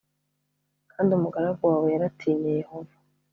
kandi umugaragu wawe yaratinye yehova